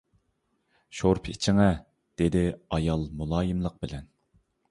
-شورپا ئىچىڭە، -دېدى ئايال مۇلايىملىق بىلەن.